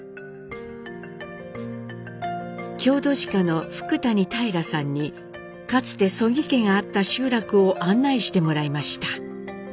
郷土史家の福谷平さんにかつて曽木家があった集落を案内してもらいました。